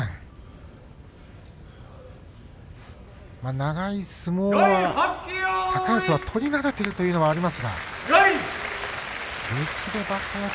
長い相撲は高安、取り慣れているというところもあります。